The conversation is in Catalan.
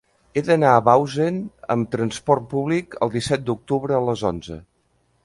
He d'anar a Bausen amb trasport públic el disset d'octubre a les onze.